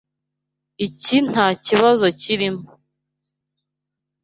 Ibi ntakibazo cyirimo.